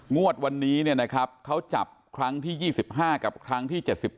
งวดวันนี้เขาจับครั้งที่๒๕กับครั้งที่๗๘